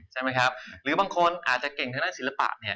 ใช่ไหมครับหรือบางคนอาจจะเก่งทางด้านศิลปะเนี่ย